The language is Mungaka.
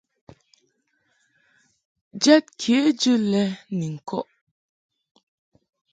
Jɛd kejɨ lɛ ni ŋkɔʼ .